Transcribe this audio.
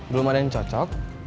belum ada yang cocok